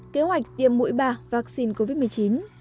kế hoạch tiêm mũi ba vaccine covid một mươi chín